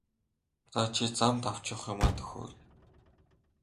За чи замд авч явах юмаа төхөөр!